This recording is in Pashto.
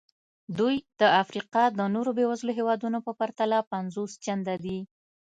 دوی د افریقا د نورو بېوزلو هېوادونو په پرتله پنځوس چنده دي.